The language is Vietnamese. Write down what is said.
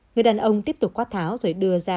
người đàn ông tiếp tục khoát tháo rồi đưa ra